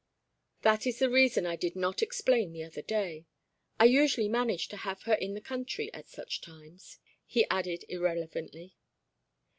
That is the reason I did not explain the other day I usually manage to have her in the country at such times," he added, irrelevantly.